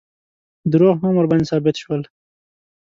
دروغ هم ورباندې ثابت شول.